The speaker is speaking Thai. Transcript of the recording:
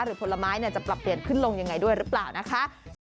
ผลไม้จะปรับเปลี่ยนขึ้นลงยังไงด้วยหรือเปล่านะคะ